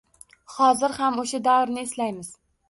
Hozir ham o‘sha davrni eslaymiz.